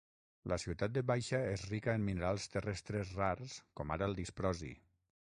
La ciutat de Baisha és rica en minerals terrestres rars com ara el disprosi.